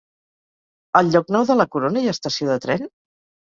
A Llocnou de la Corona hi ha estació de tren?